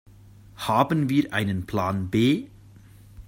Haben wir einen Plan B?